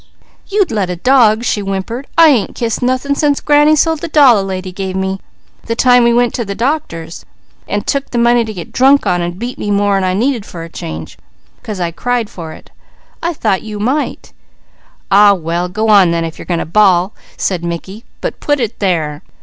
"You'd let a dog," she whimpered. "I ain't kissed nothin' since granny sold the doll a lady gave me the time we went to the doctor's, an' took the money to get drunk on, an' beat me more'n I needed for a change, 'cause I cried for it. I think you might!" "Aw well, go on then, if you're going to bawl," said Mickey, "but put it there!"